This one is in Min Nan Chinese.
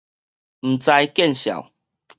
毋知見笑